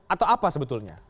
atau apa sebetulnya